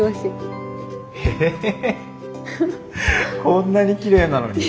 こんなにきれいなのに。